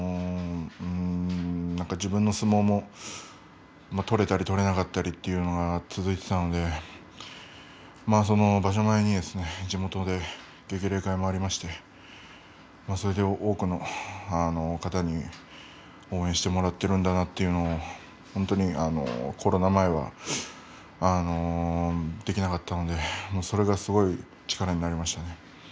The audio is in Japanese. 自分の相撲も取れたり取れなかったりというのが続いていたので場所前に地元で激励会もありまして多くの方に応援してもらってるんだなというのを本当にコロナ前はできなかったのでそれがすごい力になりましたね。